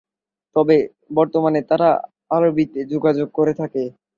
তবে বর্তমানে তারা আরবিতে যোগাযোগ করে থাকে।